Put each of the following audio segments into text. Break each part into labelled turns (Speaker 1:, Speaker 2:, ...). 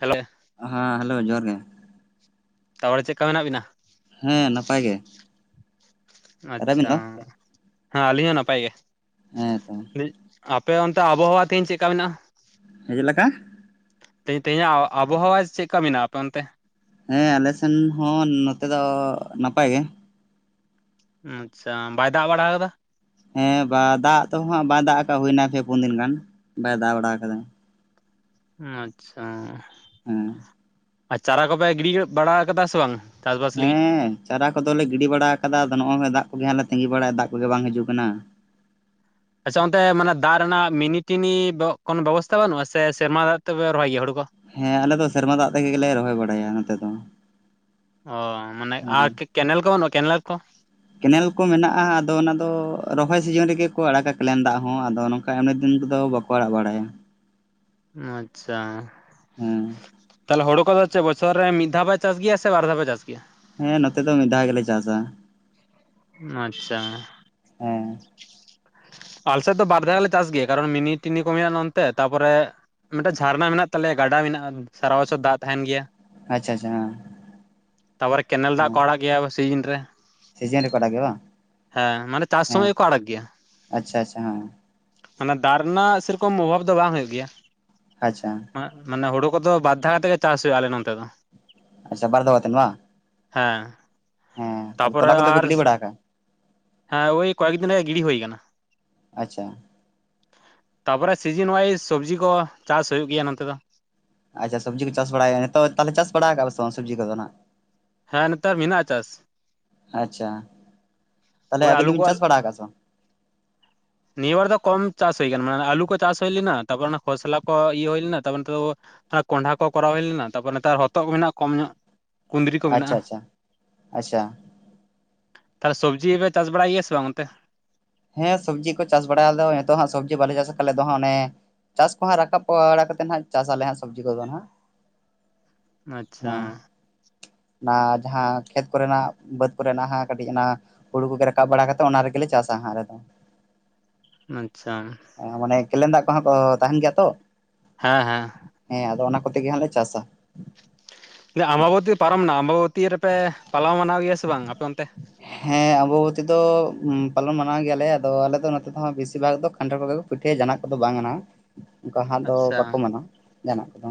Speaker 1: Hello
Speaker 2: ᱦᱟᱸ hello ᱡᱚᱦᱟᱨ ᱜᱮ।
Speaker 1: ᱛᱟᱦᱞᱮ ᱪᱮᱫ ᱞᱮᱠᱟ ᱢᱮᱱᱟᱜ ᱵᱤᱱᱟ?
Speaker 2: ᱦᱮᱸ ᱱᱟᱯᱟᱭ ᱜᱮ᱾ ᱟᱨ ᱟᱵᱤᱱ
Speaker 1: ᱟᱪᱪᱷᱟ
Speaker 2: ᱫᱚ
Speaker 1: ᱦᱮᱸ ᱟᱹᱞᱤᱧ ᱦᱚᱸ ᱱᱟᱯᱟᱭ ᱜᱮ᱾
Speaker 2: ᱦᱮᱸᱛᱚ᱾
Speaker 1: ᱟᱯᱮ ᱚᱱᱛᱮ ᱟᱵᱷᱚᱣᱟ ᱛᱮᱦᱮᱧ ᱪᱮᱫ ᱞᱮᱠᱟ ᱢᱮᱱᱟᱜᱼᱟ?
Speaker 2: ᱦᱮᱸ ᱪᱮᱫ ᱞᱮᱠᱟ [unintelligible]
Speaker 1: ᱛᱮᱦᱮᱧ ᱛᱮᱦᱮᱧᱟᱜ ᱟᱵᱚᱦᱟᱣᱟ ᱪᱮᱫ ᱞᱮᱠᱟ ᱢᱮᱱᱟᱜᱼᱟ ᱟᱯᱮ ᱚᱱᱛᱮ?
Speaker 2: ᱦᱮᱸ ᱟᱞᱮ ᱥᱮᱱ ᱦᱚᱸ ᱱᱚᱛᱮ ᱫᱚ ᱱᱟᱯᱟᱭ ᱜᱮ᱾
Speaker 1: ᱟᱪᱪᱷᱟ ᱵᱟᱭ ᱫᱟᱜ ᱵᱟᱲᱟ ᱟᱠᱟᱫᱟ?
Speaker 2: ᱦᱮᱸ ᱵᱟ ᱫᱟᱜ ᱛᱚ ᱦᱟᱸᱜ ᱵᱟᱭ ᱫᱟᱜ ᱟᱠᱟᱫ ᱦᱩᱭᱱᱟ ᱯᱮ ᱯᱩᱱ ᱫᱤᱱ ᱜᱟᱱ ᱵᱟᱭ ᱫᱟᱜ ᱵᱟᱲᱟ ᱠᱟᱫᱟ᱾
Speaker 1: ᱟᱪᱪᱷᱟ
Speaker 2: ᱦᱮᱸ
Speaker 1: ᱟᱨ ᱪᱟᱨᱟ ᱠᱚᱯᱮ ᱜᱤᱰᱤ ᱵᱟᱲᱟ ᱠᱟᱫᱟ ᱥᱮ ᱵᱟᱝ? ᱪᱟᱥᱵᱟᱥ ᱞᱟᱹᱜᱤᱫ
Speaker 2: ᱦᱮᱸ ᱪᱟᱨᱟ ᱠᱚᱫᱚᱞᱮ ᱜᱤᱰᱤ ᱵᱟᱲᱟ ᱟᱠᱟᱫᱟ ᱟᱫᱚ ᱱᱚᱜᱼᱚᱭ ᱫᱟᱜ ᱠᱚᱜᱮᱞᱮ ᱛᱟᱹᱜᱤ ᱵᱟᱲᱟᱭ ᱫᱟᱜ ᱠᱚᱜᱮ ᱵᱟᱝ ᱦᱤᱡᱩᱜ ᱠᱟᱱᱟ᱾
Speaker 1: ᱟᱪᱪᱷᱟ ᱚᱱᱛᱮ ᱢᱟᱱᱮ ᱫᱟᱜ ᱨᱮᱱᱟᱜ ᱢᱤᱱᱤ ᱴᱤᱱᱤ ᱠᱚᱱᱳ ᱵᱮᱵᱚᱥᱛᱷᱟ ᱵᱟᱹᱱᱩᱜᱼᱟ ᱥᱮ ᱥᱮᱨᱢᱟ ᱫᱟᱜ ᱛᱮᱯᱮ ᱨᱚᱦᱚᱭ ᱜᱮᱭᱟ ᱦᱩᱲᱩ ᱠᱚ
Speaker 2: ᱦᱮᱸ ᱟᱞᱮ ᱫᱚ ᱥᱮᱨᱢᱟ ᱫᱟᱜ ᱛᱮᱜᱮ ᱞᱮ ᱨᱚᱦᱚᱭ ᱵᱟᱲᱟᱭᱟ ᱱᱚᱛᱮ ᱫᱚ᱾
Speaker 1: ᱚ ᱢᱟᱱᱮ
Speaker 2: ᱦᱮᱸ
Speaker 1: ᱟᱨ ᱠᱮᱱᱮᱞ ᱠᱚ ᱵᱟᱹᱱᱩᱜᱼᱟ ᱠᱮᱱᱮᱞ ᱠᱚ
Speaker 2: ᱠᱮᱱᱮᱞ ᱠᱚ ᱢᱮᱱᱟᱜᱼᱟ ᱟᱫᱚ ᱚᱱᱟ ᱫᱚ ᱨᱚᱦᱚᱭ ᱥᱤᱡᱤᱱ ᱨᱮᱜᱮ ᱠᱚ ᱟᱲᱟᱜᱟ ᱠᱮᱞᱮᱱ ᱫᱟᱜ ᱦᱚᱸ ᱟᱫᱚ ᱱᱚᱝᱠᱟ ᱤᱢᱱᱤ ᱫᱤᱱᱫᱚ ᱵᱟᱠᱚ ᱟᱲᱟᱜ ᱵᱟᱲᱟᱭᱟ᱾
Speaker 1: ᱟᱪᱪᱷᱟ
Speaker 2: ᱦᱮᱸ
Speaker 1: ᱛᱟᱦᱚᱞᱮ ᱦᱳᱲᱳ ᱠᱚᱫᱚ ᱵᱚᱪᱷᱚᱨ ᱨᱮ ᱢᱤᱫ ᱫᱷᱟᱣ ᱯᱮ ᱪᱟᱥ ᱜᱮᱭᱟ ᱥᱮ ᱵᱟᱨ ᱫᱷᱟᱣ ᱯᱮ ᱪᱟᱥ ᱜᱮᱭᱟ
Speaker 2: ᱦᱮᱸ ᱱᱚᱛᱮ ᱫᱚ ᱢᱤᱫ ᱫᱷᱟᱣ ᱜᱮᱞᱮ ᱪᱟᱥᱼᱟ
Speaker 1: ᱟᱪᱪᱷᱟ
Speaker 2: ᱦᱮᱸ
Speaker 1: ᱟᱞᱮᱥᱮᱫ ᱫᱚ ᱵᱟᱨ ᱫᱷᱟᱣ ᱜᱮᱞᱮ ᱪᱟᱥ ᱜᱮᱭᱟ ᱠᱟᱨᱚᱱ ᱢᱤᱱᱤ ᱴᱤᱱᱤ ᱠᱚᱢᱮᱱᱟᱜ ᱜᱮᱭᱟ ᱚᱱᱛᱮ ᱛᱟᱨᱯᱚᱨᱮ ᱢᱤᱫᱴᱮᱱ ᱡᱷᱟᱨᱱᱟ ᱢᱮᱱᱟᱜ ᱛᱟᱞᱮᱭᱟ ᱜᱟᱰᱟ ᱢᱮᱱᱟᱜᱼᱟ ᱥᱟᱨᱟ ᱵᱚᱪᱷᱚᱨ ᱫᱟᱜ ᱛᱟᱦᱮᱱ ᱜᱮᱭᱟ
Speaker 2: ᱟᱪᱪᱷᱟ ᱟᱪᱪᱷᱟ ᱦᱮᱸ
Speaker 1: ᱛᱟᱨᱯᱚᱨᱮ ᱠᱮᱱᱮᱞ ᱫᱟᱜ
Speaker 2: ᱦᱮᱸ
Speaker 1: ᱠᱚ ᱟᱲᱟᱜ ᱜᱮᱭᱟ ᱥᱤᱡᱤᱱ ᱨᱮ
Speaker 2: ᱥᱤᱡᱤᱱ ᱨᱮ ᱠᱚ ᱟᱲᱟᱜ ᱜᱮᱭᱟ ᱵᱟᱝ
Speaker 1: ᱦᱮᱸ ᱢᱟᱱᱮ ᱪᱟᱥ
Speaker 2: ᱦᱮᱸ
Speaker 1: ᱥᱚᱢᱚᱭ ᱜᱮᱠᱚ ᱟᱲᱟᱜ ᱜᱮᱭᱟ
Speaker 2: ᱟᱪᱪᱷᱟ ᱟᱪᱪᱷᱟ ᱦᱮᱸ
Speaker 1: ᱢᱟᱱᱮ ᱫᱟᱜ ᱨᱮᱱᱟᱜ ᱥᱮᱨᱚᱠᱚᱢ ᱚᱵᱷᱟᱵ ᱫᱚ ᱵᱟᱝ ᱦᱩᱭᱩᱜ ᱜᱮᱭᱟ
Speaker 2: ᱟᱪᱪᱷᱟ
Speaker 1: ᱢᱟᱱᱮ ᱦᱩᱲᱩ ᱠᱚᱫᱚ ᱵᱟᱨ ᱫᱷᱟᱣ ᱠᱟᱛᱮ ᱜᱮ ᱪᱟᱥ ᱦᱩᱭᱩᱜᱼᱟ ᱟᱞᱮ ᱱᱚᱛᱮ ᱫᱚ
Speaker 2: ᱟᱪᱪᱷᱟ ᱵᱟᱨ ᱫᱷᱟᱣ ᱠᱟᱛᱮ ᱵᱟᱝ
Speaker 1: ᱦᱮᱸ
Speaker 2: ᱦᱮᱸ ᱛᱟᱦᱞᱮ
Speaker 1: ᱛᱟᱯᱚᱨᱮ
Speaker 2: ᱛᱚᱞᱟ ᱠᱚᱫᱚ ᱯᱮ
Speaker 1: ᱟᱨ
Speaker 2: ᱜᱤᱰᱤ ᱵᱟᱲᱟᱠᱟᱜ-ᱟ᱾
Speaker 1: ᱦᱮᱸ ᱳᱭ ᱠᱚᱭᱮᱠ ᱫᱤᱱ ᱨᱮᱭᱟᱜ ᱜᱤᱰᱤ ᱦᱩᱭ ᱠᱟᱱᱟ᱾
Speaker 2: ᱟᱪᱪᱷᱟ
Speaker 1: ᱛᱟᱯᱚᱨᱮ ᱥᱤᱡᱤᱱ ᱚᱣᱟᱭᱤᱥ ᱥᱚᱵᱡᱤ ᱠᱚ ᱪᱟᱥ ᱦᱩᱭᱩᱜ ᱜᱮᱭᱟ ᱱᱚᱛᱮ ᱫᱚ᱾
Speaker 2: ᱟᱪᱪᱷᱟ ᱥᱚᱵᱡᱤ ᱠᱚ ᱪᱟᱥ ᱵᱟᱲᱟᱭᱟ, ᱱᱤᱛᱚᱜ ᱛᱟᱦᱚᱞᱮ ᱪᱟᱥ ᱵᱟᱲᱟ ᱟᱠᱟᱫᱼᱟ ᱥᱮ ᱵᱟᱝ ᱥᱚᱵᱽᱡᱤ ᱠᱚᱫᱚ ᱦᱟᱸᱱᱟᱜ?
Speaker 1: ᱦᱮᱸ ᱱᱮᱛᱟᱨ ᱢᱮᱱᱟᱜᱼᱟ ᱪᱟᱥ᱾
Speaker 2: ᱛᱟᱦᱞᱮ
Speaker 1: ᱳᱭ
Speaker 2: ᱟᱹᱵᱤᱱ
Speaker 1: ᱟᱹᱞᱩ
Speaker 2: ᱫᱚᱵᱤᱱ
Speaker 1: ᱠᱚ
Speaker 2: ᱪᱟᱥ ᱵᱟᱲᱟ ᱟᱠᱟᱫ-ᱟᱥᱮ ᱵᱟᱝ?
Speaker 1: ᱱᱤᱭᱟᱹ ᱵᱟᱨ ᱫᱚ ᱠᱚᱢ ᱪᱟᱥ ᱦᱩᱭ ᱠᱟᱱᱟ ᱢᱟᱱᱮ ᱟᱞᱩ ᱠᱚ ᱪᱟᱥ ᱦᱩᱭ ᱞᱮᱱᱟ ᱛᱟᱨᱯᱚᱨ ᱚᱱᱟ ᱠᱷᱚᱥᱞᱟ ᱠᱚ ᱤᱭᱟᱹ ᱦᱩᱭ ᱞᱮᱱᱟ ᱛᱟᱨᱯᱚᱨᱼᱼ ᱠᱚᱸᱰᱷᱟ ᱠᱚᱨᱟᱣ ᱦᱩᱭ ᱞᱮᱱᱟ ᱛᱟᱨᱯᱚᱨᱮ ᱱᱮᱛᱟᱨ ᱦᱚᱛᱚᱫ ᱠᱚ ᱢᱮᱱᱟᱜᱼᱟ ᱠᱚᱢ ᱧᱚᱜ ᱠᱩᱸᱫᱽᱨᱤ ᱠᱚ
Speaker 2: ᱟᱪᱪᱷᱟ
Speaker 1: ᱢᱮᱱᱟᱜᱼᱟ
Speaker 2: ᱟᱪᱪᱷᱟ ᱟᱪᱪᱷᱟ
Speaker 1: ᱛᱟᱦᱚᱞᱮ ᱥᱚᱵᱽᱡᱤ ᱯᱮ ᱪᱟᱥ ᱵᱟᱲᱟᱭ ᱜᱮᱭᱟ ᱥᱮ ᱵᱟᱝ ᱚᱱᱛᱮ?
Speaker 2: ᱦᱮᱸ ᱥᱚᱵᱽᱡᱤ ᱠᱚ ᱪᱟᱥ ᱵᱟᱲᱟᱭ ᱟᱫᱚ ᱱᱤᱛᱚᱜ ᱦᱟᱸᱜ ᱥᱚᱵᱽᱡᱤ ᱵᱟᱞᱮ ᱪᱟᱥᱮ ᱟᱞᱮᱫᱚ ᱦᱟᱸᱜ ᱚᱱᱮ ᱪᱟᱥ ᱠᱚᱦᱟᱸᱜ ᱨᱟᱠᱟᱵ ᱵᱟᱲᱟ ᱠᱟᱛᱮᱫ ᱱᱟᱸᱜ ᱪᱟᱥ ᱟᱞᱮ ᱦᱟᱸᱜ ᱥᱚᱵᱽᱡᱤ ᱠᱚᱫᱚ ᱦᱟᱸᱜ᱾
Speaker 1: ᱟᱪᱪᱷᱟ
Speaker 2: ᱚᱱᱟ ᱡᱟᱦᱟᱸ ᱠᱷᱮᱛ ᱠᱚᱨᱮᱱᱟᱜ ᱵᱟᱹᱫᱽ ᱠᱚᱨᱮᱱᱟᱜ ᱠᱟᱹᱴᱤᱡ ᱚᱱᱟ ᱦᱩᱲᱩ ᱠᱚᱜᱮ ᱨᱟᱠᱟᱵ ᱵᱟᱲᱟ ᱠᱟᱛᱮ ᱚᱱᱟ ᱨᱮᱜᱮᱞᱮ ᱪᱟᱥ ᱥᱟᱦᱟ ᱨᱮ ᱫᱚ
Speaker 1: ᱟᱪᱪᱷᱟ
Speaker 2: [unintelligible] ᱦᱚᱸ ᱛᱟᱦᱮᱱ ᱜᱮᱭᱟ ᱛᱚ᱾
Speaker 1: ᱦᱮᱸ ᱦᱮᱸ
Speaker 2: ᱠᱚ ᱛᱮ ᱜᱮ ᱦᱟᱸᱜ ᱞᱮ ᱪᱟᱥᱟ᱾
Speaker 1: ᱟᱢᱢᱟᱵᱚᱛᱤ ᱯᱟᱨᱚᱢᱱᱟ ᱟᱢᱢᱟᱵᱚᱛᱤ ᱨᱮᱯᱮ ᱯᱟᱞᱟᱣ ᱢᱟᱱᱟᱣ ᱜᱮᱭᱟ ᱥᱮ ᱵᱟᱝ ᱟᱯᱮ ᱚᱱᱛᱮ
Speaker 2: ᱦᱮᱸ ᱟᱢᱵᱟᱵᱚᱛᱤ ᱫᱚ ᱯᱟᱞᱚᱱ ᱢᱟᱱᱟᱣ ᱜᱮᱭᱟᱞᱮ ᱟᱫᱚ ᱟᱞᱮ ᱫᱚ ᱱᱚᱛᱮᱦᱚᱸ ᱵᱮᱥᱤᱨ ᱵᱷᱟᱜ ᱫᱚ ᱠᱟᱱᱴᱷᱟᱲ ᱠᱚᱜᱮ ᱠᱚ ᱯᱤᱴᱷᱟᱹᱭᱟ ᱡᱟᱦᱟᱱᱟᱜ ᱠᱚᱫᱚ ᱵᱟᱝ ᱚᱱᱠᱟ ᱦᱟᱸᱜ ᱫᱚ
Speaker 1: ᱟᱪᱪᱷᱟ
Speaker 2: ᱵᱟᱠᱚ ᱢᱟᱱᱟᱣᱟ ᱡᱟᱦᱟᱱᱟᱜ ᱠᱚᱫᱚ᱾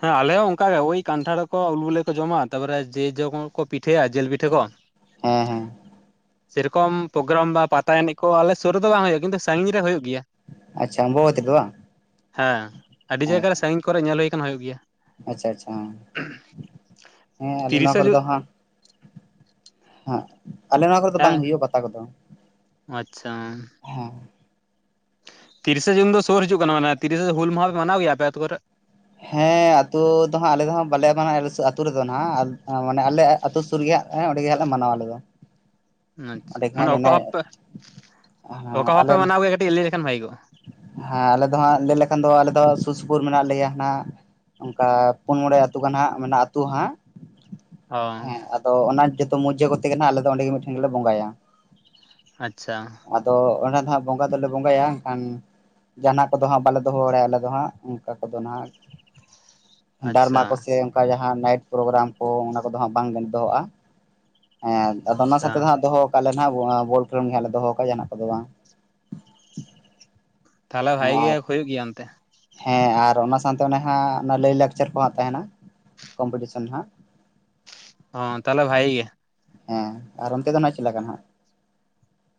Speaker 1: ᱦᱮᱸ ᱟᱞᱮ ᱦᱚᱸ ᱚᱱᱠᱟᱟᱜ ᱜᱮ ᱳᱭ ᱠᱟᱱᱴᱷᱟᱲᱠᱚ ᱟᱹᱞᱩ ᱠᱚ ᱡᱚᱢᱟ ᱛᱟᱯᱚᱨᱮ ᱡᱮ ᱡᱚ ᱠᱚ ᱯᱤᱴᱷᱟᱹ ᱯᱤᱴᱷᱟᱹᱭᱟ ᱡᱤᱞ ᱯᱤᱴᱷᱟᱹ ᱠᱚ
Speaker 2: ᱦᱮᱸ ᱦᱮᱸ
Speaker 1: ᱥᱮᱨᱚᱠᱚᱢ ᱯᱨᱳᱜᱨᱟᱢ ᱵᱟ ᱯᱟᱛᱟ ᱮᱱᱮᱡ ᱠᱚ ᱟᱞᱮ ᱥᱩᱨ ᱨᱮᱫᱚ ᱵᱟᱝ ᱦᱩᱭᱩᱜᱼᱟ ᱠᱤᱱᱛᱩ ᱥᱟᱺᱜᱤᱧ ᱨᱮ ᱦᱩᱭᱩᱜ ᱜᱮᱭᱟ᱾
Speaker 2: ᱟᱪᱪᱷᱟ ᱟᱢᱵᱟᱵᱚᱛᱤ ᱨᱮ ᱵᱟᱝ
Speaker 1: ᱦᱮᱸ ᱟᱹᱰᱤ
Speaker 2: ᱦᱮᱸ
Speaker 1: ᱡᱟᱭᱜᱟ ᱨᱮ
Speaker 2: ᱛᱚ
Speaker 1: ᱥᱟᱺᱜᱤᱧ ᱠᱚᱨᱮ ᱧᱮᱞ ᱦᱩᱭ ᱠᱟᱱᱟ ᱦᱩᱭᱩᱜ ᱜᱮᱭᱟ᱾
Speaker 2: ᱟᱪᱪᱷᱟ ᱟᱪᱪᱷᱟ ᱦᱮᱸ ᱟ ᱱᱚᱣᱟ
Speaker 1: ᱛᱤᱨᱤᱥᱟ
Speaker 2: ᱠᱚᱨᱮ
Speaker 1: ᱡᱩᱱ
Speaker 2: ᱫᱚ ᱦᱟᱸᱜ ᱦᱮᱸ ᱟᱞᱮ ᱱᱚᱣᱟ ᱠᱚᱨᱮ ᱫᱚ ᱵᱟᱝ
Speaker 1: ᱦᱮᱸ
Speaker 2: ᱦᱩᱭᱩᱜᱼᱟ ᱯᱟᱛᱟ ᱠᱚᱫᱚ
Speaker 1: ᱟᱪᱪᱷᱟ
Speaker 2: ᱦᱮᱸ
Speaker 1: ᱛᱤᱨᱤᱥᱮ ᱡᱩᱱ ᱫᱚ ᱥᱩᱨ ᱦᱤᱡᱩᱜ ᱠᱟᱱᱟ, ᱢᱟᱱᱮ ᱛᱤᱨᱤᱥᱮ ᱦᱩᱞ ᱢᱟᱦᱟ ᱯᱮ ᱢᱟᱱᱟᱣ ᱜᱮᱭᱟ ᱟᱯᱮ ᱟᱛᱳ ᱠᱚᱨᱮ?
Speaker 2: ᱦᱮᱸ ᱟᱛᱳ ᱫᱚ ᱦᱟᱸᱜ ᱟᱞᱮ ᱫᱚ ᱦᱟᱸᱜ ᱵᱟᱞᱮ ᱢᱟᱱᱟᱣ ᱟᱹᱛᱩ ᱨᱮᱫᱚ ᱦᱟᱸᱜ ᱢᱟᱱᱮ ᱟᱞᱮ ᱟᱹᱛᱩ ᱥᱩᱨ ᱨᱮ ᱚᱸᱰᱮ ᱜᱮᱞᱮ ᱦᱟᱸᱜ ᱞᱮ ᱢᱟᱱᱟᱣᱟ ᱟᱞᱮ ᱫᱚ᱾
Speaker 1: ᱟᱪᱪᱷᱟ
Speaker 2: ᱚᱸᱰᱮ ᱜᱮ
Speaker 1: ᱢᱟᱱᱮ
Speaker 2: ᱦᱟᱸᱜ
Speaker 1: ᱚᱠᱟ ᱵᱷᱟᱯ ᱯᱮ
Speaker 2: ᱚᱱᱮ
Speaker 1: ᱚᱠᱟ ᱵᱷᱟᱯ
Speaker 2: ᱟᱞᱮ
Speaker 1: ᱯᱮ ᱢᱟᱱᱟᱣ ᱜᱮᱭᱟ ᱠᱟᱹᱴᱤᱡ ᱞᱟᱹᱭ ᱞᱮᱠᱷᱟᱱ ᱵᱷᱟᱜᱤ ᱠᱚᱜᱼᱟ᱾
Speaker 2: ᱦᱮᱸ ᱟᱞᱮ ᱫᱚ ᱦᱟᱸᱜ ᱞᱟᱹᱭ ᱞᱮᱠᱷᱟᱱ ᱫᱚ ᱟᱞᱮ ᱫᱚ ᱥᱩᱨ ᱥᱩᱯᱩᱨ ᱢᱮᱱᱟᱜ ᱞᱮᱭᱟ ᱱᱟᱜ ᱚᱱᱠᱟ ᱯᱩᱱ ᱢᱚᱬᱮ ᱟᱹᱛᱩ ᱜᱟᱱ ᱦᱟᱜ ᱢᱮᱱᱟᱜ ᱟᱹᱛᱩ ᱦᱟᱜ
Speaker 1: ᱚ
Speaker 2: ᱦᱮᱸ ᱟᱫᱚ ᱚᱱᱟ ᱡᱚᱛᱚ ᱢᱚᱣᱡᱟᱹ ᱠᱚᱛᱮ ᱜᱮ ᱟᱞᱮ ᱫᱚ ᱚᱸᱰᱮ ᱢᱤᱫᱴᱷᱮᱱ ᱜᱮᱞᱮ ᱵᱚᱸᱜᱟᱭᱟ᱾
Speaker 1: ᱟᱪᱪᱷᱟ
Speaker 2: ᱟᱫᱚ ᱚᱸᱰᱮ ᱫᱚᱦᱟᱜ ᱵᱚᱸᱜᱟ ᱫᱚᱞᱮ ᱵᱚᱸᱜᱟᱭᱟ ᱠᱷᱟᱱ ᱡᱟᱦᱟᱱᱟᱜ ᱠᱚᱫᱚ ᱦᱟᱸᱜ ᱵᱟᱞᱮ ᱫᱚᱦᱚ ᱵᱟᱲᱟᱭᱟ ᱟᱞᱮ ᱫᱚ ᱦᱟᱸᱜ ᱚᱱᱠᱟ ᱠᱚᱫᱚ ᱦᱟᱸᱜ᱾ ᱰᱟᱨᱢᱟ
Speaker 1: ᱟᱪᱪᱷᱟ
Speaker 2: ᱠᱚᱥᱮ ᱚᱱᱠᱟ ᱡᱟᱦᱟᱸ ᱱᱟᱭᱤᱴ ᱯᱨᱳᱜᱨᱟᱢ ᱠᱚ ᱚᱱᱟ ᱠᱚᱫᱚ ᱦᱟᱸᱜ ᱵᱟᱝ ᱫᱚᱦᱚᱼᱟ ᱦᱮᱸ ᱟᱫᱚ ᱚᱱᱟ
Speaker 1: ᱟᱪᱪᱷᱟ
Speaker 2: ᱥᱟᱶᱛᱮ ᱫᱚ ᱦᱟᱸᱜ ᱫᱚᱦᱚ ᱠᱟᱜ ᱞᱮ [unintelligible] ᱵᱚᱞ ᱠᱷᱮᱞ ᱜᱮ ᱦᱟᱜ ᱞᱮ ᱫᱚᱦᱚ ᱠᱟᱜᱼᱟ ᱡᱟᱦᱱᱟᱜ ᱠᱚᱫᱚ ᱵᱟᱝ
Speaker 1: ᱛᱟᱦᱚᱞᱮ
Speaker 2: ᱦᱮᱸ
Speaker 1: ᱵᱷᱟᱜᱤ ᱜᱮ
Speaker 2: ᱟᱨ
Speaker 1: ᱦᱩᱭᱩᱜ ᱜᱮᱭᱟ ᱚᱱᱛᱮ?
Speaker 2: ᱦᱮᱸ ᱟᱨ ᱚᱱᱟ ᱥᱟᱶᱛᱮ ᱚᱱᱮ ᱦᱟᱸᱜ ᱚᱱᱟ ᱞᱟᱹᱭᱼᱞᱟᱠᱪᱟᱨ ᱠᱚ ᱦᱟᱸᱜ ᱛᱟᱦᱮᱱᱟ᱾ ᱠᱚᱢᱯᱤᱴᱤᱥᱚᱱ ᱦᱟᱸᱜ
Speaker 1: ᱦᱚ ᱛᱟᱦᱚᱞᱮ ᱵᱷᱟᱜᱮ ᱜᱮ
Speaker 2: ᱦᱮᱸ ᱟᱨ ᱚᱱᱛᱮ ᱫᱚ ᱱᱟᱜ ᱪᱮᱫ ᱞᱮᱠᱟ ᱦᱟᱜ?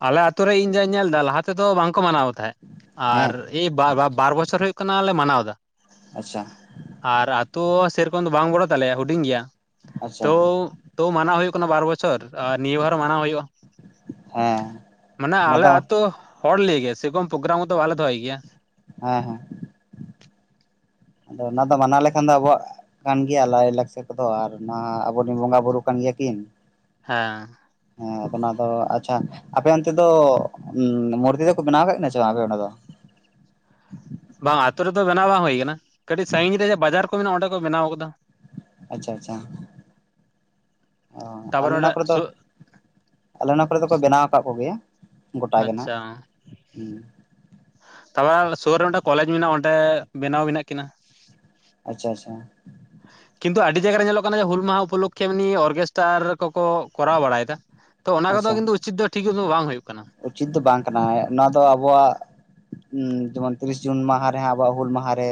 Speaker 1: ᱟᱞᱮ ᱟᱛᱩᱨ ᱨᱮ ᱤᱧ ᱡᱟᱹᱧ ᱧᱮᱞ ᱮᱫᱟ ᱞᱟᱦᱟ ᱛᱮᱫᱚ ᱵᱟᱝ ᱠᱚ ᱢᱟᱱᱟᱣ ᱛᱟᱦᱮᱸᱫ ᱟᱨ
Speaker 2: ᱦᱮᱸ
Speaker 1: ᱮᱭ ᱵᱟ ᱵᱟ ᱵᱟᱨ ᱵᱚᱪᱷᱚᱨ ᱦᱩᱭᱩᱜ ᱠᱟᱱᱟᱞᱮ ᱢᱟᱱᱟᱣ ᱮᱫᱟ᱾
Speaker 2: ᱟᱪᱪᱷᱟ
Speaker 1: ᱟᱨ ᱟᱹᱛᱳ ᱥᱮᱨᱚᱠᱚᱢ ᱫᱚ ᱵᱟᱝ ᱵᱚᱲᱚ ᱛᱟᱞᱮᱭᱟ ᱦᱩᱰᱤᱧ ᱜᱮᱭᱟ
Speaker 2: ᱟᱪᱪᱷᱟ
Speaker 1: ᱛᱳ
Speaker 2: ᱟᱪᱪᱷᱟ
Speaker 1: ᱛᱳ ᱢᱟᱱᱟᱣ ᱦᱩᱭᱩᱜ ᱠᱟᱱᱟ ᱵᱟᱨ ᱵᱚᱪᱷᱚᱨ ᱟᱨ ᱱᱤᱭᱟᱹ ᱵᱟᱨ ᱢᱟᱱᱟᱣ ᱦᱩᱭᱩᱜᱼᱟ
Speaker 2: ᱦᱮᱸ
Speaker 1: ᱢᱟᱱᱮ
Speaker 2: ᱚᱱᱟ
Speaker 1: ᱟᱞᱮ
Speaker 2: ᱫᱚ
Speaker 1: ᱟᱹᱛᱩ ᱦᱚᱲ ᱞᱟᱹᱭ ᱜᱮᱭᱟ ᱥᱮᱨᱚᱠᱚᱢ ᱯᱨᱳᱜᱨᱟᱢ ᱠᱚᱫᱚ ᱵᱟᱞᱮ ᱫᱚᱦᱚᱭ ᱜᱮᱭᱟ
Speaker 2: ᱦᱮᱸ ᱦᱮᱸ ᱟᱫᱚ ᱚᱱᱟ ᱫᱚ ᱢᱟᱱᱟᱣ ᱞᱮᱠᱷᱟᱱ ᱫᱚ ᱟᱵᱚᱣᱟᱜ ᱠᱟᱱ ᱜᱮᱭᱟ ᱞᱟᱭᱼᱞᱟᱠᱪᱟᱨ ᱠᱚᱫᱚ ᱟᱨ ᱚᱱᱟ ᱟᱵᱚᱨᱮᱱ ᱵᱚᱸᱜᱟ ᱵᱩᱨᱩ ᱠᱟᱱ ᱜᱮᱭᱟ [unintelligible] ᱠᱤᱱ
Speaker 1: ᱦᱮᱸ
Speaker 2: ᱦᱮᱸ ᱟᱫᱚ ᱚᱱᱟ ᱫᱚ ᱟᱪᱪᱷᱟ ᱟᱯᱮ ᱚᱱᱛᱮ ᱫᱚ ᱢᱩᱨᱛᱤ ᱫᱚᱠᱚ ᱵᱮᱱᱟᱣ ᱟᱠᱟ ᱠᱟᱱᱟ ᱪᱮ ᱵᱟᱝ ᱟᱯᱮ ᱚᱸᱰᱮ ᱫᱚ [inaudible]
Speaker 1: ᱵᱟᱝ ᱟᱹᱛᱩ ᱨᱮᱫᱚ ᱵᱮᱱᱟᱣ ᱵᱟᱝ ᱦᱩᱭ ᱟᱠᱟᱱᱟ ᱠᱟᱹᱴᱤᱡ ᱥᱟᱹᱜᱤᱧ ᱨᱮ ᱵᱟᱡᱟᱨ ᱠᱚ ᱢᱮᱱᱟᱜᱼᱟ ᱚᱸᱰᱮ ᱠᱚ ᱵᱮᱱᱟᱣ ᱟᱠᱟᱫᱟ
Speaker 2: ᱟᱪᱷᱟ ᱟᱪᱷᱟ ᱟᱞᱮ
Speaker 1: ᱛᱟᱯᱚᱨᱮ
Speaker 2: ᱚᱱᱟ
Speaker 1: ᱚᱸᱰᱮ
Speaker 2: ᱠᱚᱨᱮ ᱫᱚ
Speaker 1: ᱥᱩᱨ
Speaker 2: ᱟᱞᱮ ᱚᱱᱟ ᱠᱚᱨᱮ ᱫᱚᱠᱚ ᱵᱮᱱᱟᱣ ᱟᱠᱟᱫ ᱠᱚᱜᱮᱭᱟ ᱜᱚᱴᱟ ᱜᱮ ᱱᱟᱜ
Speaker 1: ᱟᱪᱷᱟ
Speaker 2: ᱦᱩᱸ
Speaker 1: ᱛᱚᱵᱮ ᱥᱩᱨ ᱨᱮ ᱢᱤᱫᱴᱟ ᱠᱚᱞᱮᱡᱽ ᱢᱮᱱᱟᱜᱼᱟ ᱚᱰᱮ ᱚᱸᱰᱮ ᱵᱮᱱᱟᱣ ᱢᱮᱱᱟᱜ ᱠᱤᱱᱟ
Speaker 2: ᱟᱪᱪᱷᱟ ᱟᱪᱪᱷᱟ
Speaker 1: ᱠᱤᱱᱛᱩ ᱟᱹᱰᱤ ᱡᱟᱭᱜᱟᱨ ᱨᱮ ᱧᱮᱞᱚᱜ ᱠᱟᱱᱟ ᱦᱩᱞ ᱢᱟᱦᱟ ᱩᱯᱚᱞᱚᱠᱠᱷᱮ ᱮᱢ ᱚᱨᱜᱮᱥᱴᱟᱨ ᱠᱚᱠᱚ ᱠᱚᱨᱟᱣ ᱵᱟᱲᱟᱭᱮᱫᱟ ᱛᱚ ᱚᱱᱟ ᱠᱚᱫᱚ
Speaker 2: ᱟᱪᱪᱷᱟ
Speaker 1: ᱠᱤᱱᱛᱩ ᱩᱪᱤᱛ ᱫᱚ ᱴᱷᱤᱠ ᱫᱚ ᱵᱟᱝ ᱦᱩᱭᱩᱜᱳᱼᱟ
Speaker 2: ᱩᱪᱤᱛ ᱫᱚ ᱵᱟᱝ ᱠᱟᱱᱟ ᱱᱚᱣᱟ ᱫᱚ ᱟᱵᱚᱣᱟᱜ ᱡᱮᱢᱚᱱ ᱛᱤᱨᱤᱥ ᱡᱩᱱ ᱢᱟᱦᱟ ᱨᱮᱦᱟ ᱟᱵᱚᱣᱟᱜ ᱦᱩᱞ ᱢᱟᱦᱟᱨᱮ